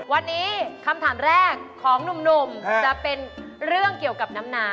วันนี้คำถามแรกของหนุ่มจะเป็นเรื่องเกี่ยวกับน้ำนา